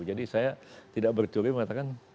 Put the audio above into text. jadi saya tidak berteori mengatakan